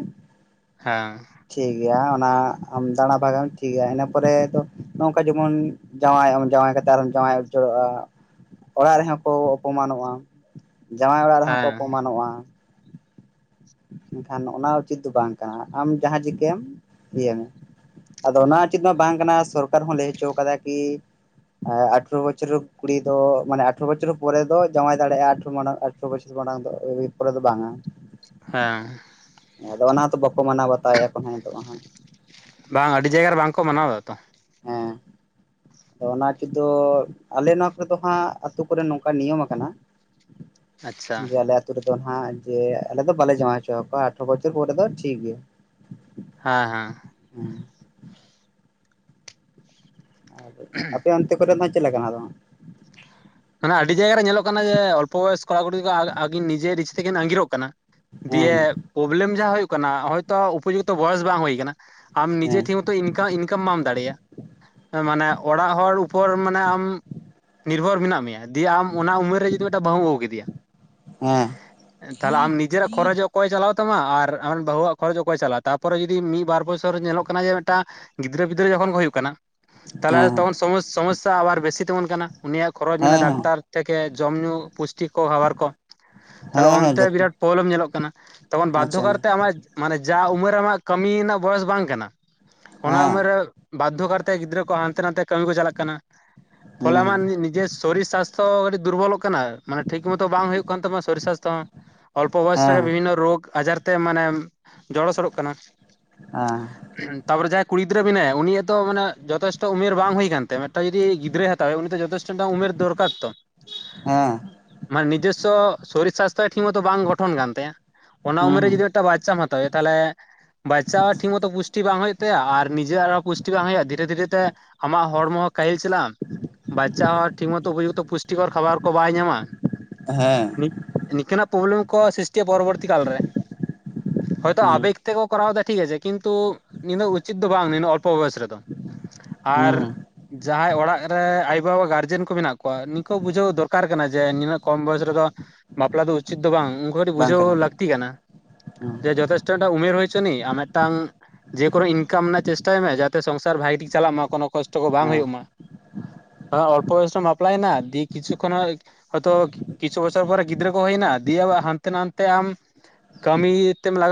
Speaker 1: ᱦᱮᱸ
Speaker 2: ᱴᱷᱤᱠ ᱜᱮᱭᱟ ᱚᱱᱟ ᱟᱢ ᱫᱟᱬᱟ ᱵᱷᱟᱜᱟᱢ ᱴᱷᱤᱠᱭᱟ ᱤᱱᱟᱹ ᱯᱚᱨᱮ ᱫᱚ ᱱᱚᱝᱠᱟ ᱡᱮᱢᱚᱱ ᱡᱟᱶᱟᱭᱚᱢ ᱡᱟᱶᱟᱭ ᱦᱮᱸᱛᱚ ᱡᱟᱶᱟᱭ ᱩᱡᱟᱹᱲᱚᱜᱼᱟ ᱚᱲᱟᱜ ᱨᱮᱦᱚᱸ ᱠᱚ ᱚᱯᱚᱢᱟᱱᱚᱜᱼᱟ᱾ ᱡᱟᱶᱟᱭ ᱚᱲᱟᱜ ᱨᱮᱦᱚᱸ ᱠᱚ
Speaker 1: ᱦᱮᱸ
Speaker 2: ᱚᱯᱚᱢᱟᱱᱚᱜᱼᱟ᱾ ᱠᱷᱟᱱ ᱱᱚ-ᱚᱱᱟ ᱩᱪᱤᱛ ᱫᱚ ᱵᱟᱝ ᱠᱟᱱᱟ ᱟᱢ ᱡᱟᱦᱟᱸ ᱪᱤᱠᱚᱸᱢ ᱤᱭᱚᱸ ᱢᱮ ᱟᱫᱚ ᱚᱱᱟ ᱩᱪᱮᱫ ᱢᱟ ᱵᱟᱝ ᱠᱟᱱᱟ ᱥᱚᱨᱠᱟᱨ ᱦᱚᱸ ᱞᱟᱹᱭ ᱦᱚᱪᱚ ᱠᱟᱫᱟ ᱠᱤ ᱟᱴᱷᱨᱚ ᱵᱚᱪᱷᱚᱨ ᱠᱩᱲᱤ ᱫᱚ ᱢᱟᱱᱮ ᱟᱴᱷᱨᱚ ᱵᱚᱪᱷᱚᱨ ᱯᱚᱨᱮ ᱫᱚ ᱡᱟᱶᱟᱭ ᱫᱟᱲᱮᱭᱟᱜᱼᱟ᱾ ᱟᱴᱷᱨᱚ ᱢᱟᱲᱟᱝ ᱟᱴᱷᱚᱨᱚ ᱵᱚᱪᱷᱚᱨ ᱢᱟᱲᱟᱝ ᱫᱚ ᱟᱶᱨᱤ ᱯᱚᱨ ᱫᱚ ᱵᱟᱝᱼᱟ᱾
Speaker 1: ᱦᱮᱸ
Speaker 2: ᱟᱫᱚ ᱚᱱᱟ ᱦᱚᱸᱛᱚ ᱵᱟᱠᱚ ᱢᱟᱱᱟᱣ ᱵᱟᱛᱟᱣ ᱮᱫᱟ ᱠᱚ ᱦᱟᱸᱜ ᱱᱤᱛᱚᱜ ᱢᱟ ᱦᱟᱸᱜ᱾
Speaker 1: ᱵᱟᱝ ᱟᱹᱰᱤ ᱡᱟᱭᱜᱟ ᱨᱮ ᱵᱟᱝᱠᱚ ᱢᱟᱱᱟᱣᱫᱟ ᱛᱚ᱾
Speaker 2: ᱦᱮᱸ
Speaker 1: [inaudible]
Speaker 2: ᱟᱫᱚ ᱚᱱᱟ ᱪ ᱫᱚ ᱟᱞᱮ ᱱᱚᱣᱟ ᱠᱚᱨᱮ ᱫᱚ ᱦᱟᱸᱜ ᱟᱹᱛᱩ ᱠᱚᱨᱮᱜ ᱱᱚᱝᱠᱟ ᱱᱤᱭᱚᱢ ᱟᱠᱟᱱᱟ
Speaker 1: ᱟᱪᱪᱷᱟ
Speaker 2: ᱡᱮ ᱟᱞᱮ ᱟᱹᱛᱩ ᱨᱮ ᱦᱟᱜ ᱡᱮ ᱟᱞᱮ ᱫᱚ ᱵᱟᱞᱮ ᱡᱚᱢᱟ ᱦᱚᱪᱚᱚᱣᱟ ᱟᱴᱷᱨᱚ ᱵᱚᱪᱷᱚᱨ ᱯᱚᱨᱮ ᱫᱚ ᱴᱷᱤᱠ ᱜᱮᱭᱟ᱾
Speaker 1: ᱦᱮᱸ ᱦᱮᱸ
Speaker 2: ᱦᱮᱸ ᱟᱨ ᱟᱯᱮ ᱚᱱᱛᱮ ᱠᱚᱨᱮ ᱫᱚ ᱦᱜ ᱪᱮᱫᱮ ᱞᱮᱠᱟ ᱫᱚ?
Speaker 1: ᱢᱟᱱᱮ ᱟᱹᱰᱤ ᱡᱟᱭᱜᱜᱟ ᱨᱮ ᱧᱮᱞᱚᱜ ᱠᱟᱱᱟ ᱡᱮ ᱚᱞᱯᱚ ᱵᱚᱭᱚᱥ ᱠᱚᱲᱟ- ᱠᱩᱲᱤ ᱟᱹᱠᱤᱱ ᱱᱤᱡᱮ ᱱᱤᱡᱮ ᱛᱮᱠᱤᱱ ᱟᱸᱜᱤᱨᱚᱜ ᱠᱟᱱᱟ᱾ ᱫᱤᱭᱮ
Speaker 2: ᱦᱮᱸ
Speaker 1: ᱯᱨᱚᱵᱞᱮᱢ ᱡᱟᱦᱟᱸᱳᱜ ᱠᱟᱱᱟ ᱦᱚᱳᱭᱛᱚ ᱩᱯᱚᱡᱩᱠᱛᱚ ᱵᱚᱭᱮᱥ ᱵᱟᱝ ᱦᱩᱭᱩᱜ ᱠᱟᱱᱟ᱾ ᱟᱢ ᱱᱤᱡᱮ
Speaker 2: ᱦᱮᱸ
Speaker 1: ᱴᱷᱤᱠ ᱢᱚᱛᱚ ᱤᱱᱠᱟ ᱤᱱᱠᱟᱢ ᱵᱟᱢ ᱫᱟᱲᱮᱭᱟᱜᱼᱟ᱾ ᱢᱟᱱᱮ ᱚᱲᱟᱜ ᱦᱚᱲ ᱩ ᱯᱚᱨ ᱢᱟᱱᱮ ᱟᱢ ᱱᱤᱨᱵᱷᱚᱨ ᱢᱮᱱᱟᱜ ᱢᱮᱭᱟ ᱫᱤᱭᱮ ᱟᱢ ᱚᱱᱟ ᱩᱢᱮᱨ ᱨᱮ ᱡᱩᱫᱤ ᱢᱤᱫᱴᱟᱜ ᱵᱟᱹᱦᱩᱢ ᱟᱹᱜᱩ ᱠᱮᱫᱮᱭᱟ,
Speaker 2: ᱦᱮᱸ
Speaker 1: ᱛᱟᱦᱞᱮ ᱟᱢ ᱱᱤᱡᱮᱨᱟᱜ ᱠᱷᱚᱨᱚᱪ ᱚᱠᱚᱭ ᱪᱟᱞᱟᱣ ᱛᱟᱢᱟ ᱟᱨ ᱟᱢ ᱵᱟᱹᱩᱣᱟᱜ ᱠᱷᱚᱨᱚᱪ ᱚᱠᱚᱭ ᱪᱟᱞᱟᱜᱼᱟ, ᱛᱟᱯᱚᱨᱮ ᱡᱩᱫᱤ ᱢᱤᱫ ᱵᱟᱨ ᱵᱚᱪᱚᱨ ᱧᱮᱞᱚᱜ ᱠᱟᱱᱟ ᱡᱮ ᱢᱤᱫᱴᱟᱝ ᱜᱤᱫᱽᱨᱟᱹ ᱯᱤᱫᱽᱨᱟᱹ ᱛᱚᱠᱷᱚᱱ ᱜᱮ ᱦᱩᱭᱩᱜ ᱠᱟᱱᱟ᱾ ᱛᱟᱦᱞᱮ
Speaker 2: ᱦᱮᱸ
Speaker 1: ᱛᱚᱠᱷᱚᱱ ᱥᱚᱢᱚᱥᱥᱟ ᱟᱵᱟᱨ ᱵᱮᱥᱤ ᱛᱤᱜᱩᱱ ᱠᱟᱱᱟ ᱩᱱᱤᱭᱟᱜ ᱠᱷᱚᱨᱚᱪ
Speaker 2: ᱦᱮᱸ
Speaker 1: ᱢᱮᱱᱟᱜᱼᱟ
Speaker 2: ᱦᱮᱸ
Speaker 1: ᱰᱟᱠᱛᱟᱨ ᱛᱷᱮᱠᱮ ᱡᱚᱢ ᱧᱩ ᱯᱩᱥᱴᱤ ᱠᱚ ᱵᱮᱵᱟᱨ ᱠᱚ ᱛᱟᱦᱞᱮ
Speaker 2: ᱦᱮᱸ ᱦᱮᱸ
Speaker 1: ᱚᱱᱛᱮ
Speaker 2: ᱡᱚᱛᱚ
Speaker 1: ᱵᱤᱨᱟᱴ ᱯᱨᱚᱵᱞᱮᱢ ᱧᱮᱞᱚᱜ ᱠᱟᱱᱟ ᱛᱚᱠᱷᱚᱱ
Speaker 2: ᱟᱪᱪᱷᱟ
Speaker 1: ᱵᱟᱫᱽᱫᱷᱚᱚᱠᱟᱨ ᱛᱮ ᱟᱢᱟᱜ ᱢᱟᱱᱮ ᱡᱟ ᱩᱢᱮᱨ ᱟᱢᱟᱜ ᱠᱟᱹᱢᱤ ᱨᱮᱱᱟᱜ ᱵᱚᱭᱮᱥ ᱵᱟᱝ ᱠᱟᱱᱟ ᱚᱱᱟ
Speaker 2: ᱦᱮᱸ
Speaker 1: ᱩᱢᱮᱨ ᱨᱮ ᱵᱟᱫᱽᱫᱷᱚᱚᱠᱟᱨᱛᱮ ᱜᱤᱫᱽᱨᱟᱹ ᱠᱚ ᱦᱟᱱᱛᱮ ᱱᱟᱛᱮ ᱠᱟᱹᱢᱤ ᱠᱚ ᱪᱟᱞᱟᱜ ᱠᱟᱱᱟ᱾ ᱯᱷᱚᱞᱮ ᱟᱢᱟᱜ
Speaker 2: ᱦᱩᱸ
Speaker 1: ᱱᱤᱡᱮᱥ ᱥᱚᱨᱤᱨ ᱥᱟᱥᱛᱷᱚ ᱟᱹᱰᱤ ᱫᱩᱨᱵᱚᱞᱚᱜ ᱠᱟᱱᱟ ᱢᱟᱱᱮ ᱴᱷᱤᱠ ᱢᱚᱛᱚ ᱵᱟᱝ ᱦᱩᱭᱩᱜ ᱠᱟᱱ ᱛᱟᱢᱟ ᱥᱚᱨᱤᱨ ᱥᱟᱥᱛᱷᱚ ᱦᱚᱸ ᱚᱞᱯᱚ ᱵᱚᱭᱚᱥ
Speaker 2: ᱦᱮᱸ
Speaker 1: ᱨᱮᱜᱮ ᱵᱤᱵᱷᱤᱱᱱᱚ ᱨᱳᱜᱽ ᱟᱡᱟᱨ ᱛᱮ ᱢᱟᱱᱮ ᱡᱚᱲᱚᱚᱥᱚᱲᱚᱜ ᱠᱟᱱᱟ,
Speaker 2: ᱦᱮᱸ
Speaker 1: ᱛᱟᱯᱚᱨ ᱡᱟᱦᱟᱸᱭ ᱠᱩᱲᱤ ᱜᱤᱫᱽᱨᱟᱹ ᱢᱮᱱᱟᱭᱟ ᱩᱱᱤᱭᱟᱜᱚ ᱢᱟᱱᱮ ᱡᱚᱛᱷᱮᱥᱴᱚ ᱩᱢᱮᱨ ᱵᱟᱝ ᱦᱩᱭ ᱟᱠ ᱠᱟᱱ ᱛᱟᱭᱟ ᱢᱤᱫᱴᱟᱝ ᱡᱚᱫᱤ ᱜᱤᱫᱽᱨᱟᱹᱭᱭ ᱦᱟᱛᱟᱣᱟᱭᱣᱟ ᱩᱱᱤ ᱫᱚ ᱡᱚᱛᱷᱮᱴᱚ ᱫᱚᱨᱠᱟᱨ ᱛᱚ
Speaker 2: ᱦᱮᱸ
Speaker 1: ᱢᱟᱱᱮ ᱱᱤᱡᱮᱥ ᱱᱤᱡᱮᱥᱚ ᱥᱚᱨᱤᱨ ᱥᱟᱥᱛᱷᱚ ᱴᱷᱤᱠ ᱢᱚᱛᱚ ᱵᱟᱝ ᱜᱚᱴᱷᱚᱱ ᱠᱟᱱ ᱛᱟᱭᱟ ᱚᱱᱟ
Speaker 2: ᱦᱩᱸ
Speaker 1: ᱩᱢᱮᱨ ᱨᱮ
Speaker 2: ᱦᱩᱸ
Speaker 1: ᱡᱚᱫᱤ ᱢᱤᱫᱴᱟᱝ ᱵᱟᱪᱟᱢ ᱦᱟᱛᱟᱣᱟ ᱛᱟᱦᱚᱞᱮ ᱵᱟᱪᱪᱟᱣ ᱴᱷᱤᱠ ᱢᱚᱛᱚ ᱯᱩᱥᱴᱤ ᱵᱟᱝ ᱦᱩᱭᱩᱜᱜ ᱛᱟᱭᱟ ᱟᱨ ᱱᱤᱡᱮᱨᱟᱜ ᱦᱚᱸ ᱯᱩᱥᱴᱤ ᱵᱟᱝ ᱦᱩᱭᱩᱜᱼᱟ᱾ ᱫᱷᱤᱨᱮ ᱫᱷᱤᱨᱮ ᱛᱮ ᱟᱢᱟᱜ ᱦᱚᱲᱢᱚ ᱠᱟᱹᱦᱤᱞ ᱪᱟᱞᱟᱜ ᱟᱢ ᱵᱟᱪᱪᱟ ᱦᱚᱸ ᱴᱷᱤᱠ ᱢᱚᱛᱚ ᱩᱯᱚᱡᱩᱠᱛᱚ ᱯᱩᱥᱴᱤᱠᱚᱨ ᱠᱷᱟᱵᱟᱨ ᱠᱚ ᱵᱟᱭ ᱧᱟᱢᱟ᱾
Speaker 2: ᱦᱮᱸ
Speaker 1: ᱱᱤᱝᱠᱟᱱᱟᱜ ᱯᱨᱚᱵᱞᱮᱢ ᱠᱚ ᱯᱚᱨᱚᱵᱚᱨᱛᱤ ᱠᱟᱞ ᱨᱮ ᱦᱚᱳᱭᱛᱚ
Speaker 2: ᱦᱩᱸ
Speaker 1: ᱟᱵᱮᱜ ᱛᱮᱠᱚ ᱠᱚᱨᱟᱣ ᱫᱟ ᱴᱷᱤᱠ ᱟᱪᱷᱮ ᱠᱤᱱᱛᱩ ᱩᱪᱤᱛ ᱫᱚ ᱵᱟᱝ ᱚᱞᱯᱚ ᱵᱚᱭᱮᱥ ᱨᱮᱫᱚ
Speaker 2: ᱦᱩᱸ
Speaker 1: ᱟᱨ
Speaker 2: ᱦᱩᱸ
Speaker 1: ᱡᱟᱦᱟᱸᱭ ᱚᱲᱟᱜ ᱨᱮ ᱟᱭᱳ-ᱵᱟᱵᱟ ᱜᱟᱨᱡᱮᱱ ᱠᱚ ᱢᱮᱱᱟᱜ ᱠᱚᱣᱟ ᱱᱤᱠᱩ ᱵᱩᱡᱷᱟᱹᱣ ᱫᱚᱨᱠᱟᱨ ᱠᱟᱱᱟ ᱡᱮ ᱱᱤᱱᱟᱹᱜ ᱠᱚᱢ ᱵᱚᱭᱮᱥ ᱨᱮᱫᱚ ᱵᱟᱯᱞᱟ ᱫᱚ ᱩᱪᱤᱛ ᱫᱚ ᱵᱟᱝ ᱩᱱᱠᱩ ᱟᱹᱰᱤᱴᱤᱡ
Speaker 2: ᱵᱟᱝ
Speaker 1: ᱵᱩᱡᱷᱟᱹᱣ
Speaker 2: ᱠᱟᱱᱟ
Speaker 1: ᱞᱟᱹᱠᱛᱤ ᱠᱟᱱᱟ
Speaker 2: ᱦᱩᱸ
Speaker 1: ᱡᱮ ᱡᱚᱛᱷᱮᱥᱴᱚᱴᱟᱜ ᱩᱢᱮᱨ ᱦᱚᱪᱚ ᱟᱢ ᱢᱤᱫᱴᱟᱝ ᱡᱮᱠᱚᱱᱳ ᱤᱱᱠᱟᱢ ᱨᱮᱱᱟᱜ ᱪᱮᱥᱴᱟᱭ ᱢᱮ ᱡᱟᱛᱮ ᱥᱚᱝᱥᱟᱨ ᱵᱷᱟᱜᱤ ᱴᱤᱠ ᱪᱟᱞᱟᱜ ᱢᱟ ᱠᱚᱱᱳ ᱠᱚᱥᱴ ᱠᱚᱥᱴᱚ ᱠᱚ ᱵᱟᱝ
Speaker 2: ᱦᱮᱸ
Speaker 1: ᱦᱩᱭᱩᱜ ᱢᱟ᱾ ᱦᱚ ᱚᱞᱚᱯ ᱵᱟᱯᱞᱟᱭᱮᱱᱟ ᱫᱤᱭᱮ ᱠᱤᱪᱷᱩ ᱠᱷᱚ ᱦᱚᱛᱚᱤᱪᱷᱩ ᱵᱚᱪᱷᱚᱨ ᱯᱚᱨ ᱜᱤᱫᱽᱨᱟᱹ ᱠᱚ ᱦᱩᱭᱮᱱᱟ ᱫᱤᱭᱮ ᱟᱵᱚ ᱦᱟᱱᱛᱮ ᱱᱟᱛᱮ ᱟᱢ ᱠᱟᱹᱢᱤ ᱛᱮᱢ ᱞᱟᱜᱟ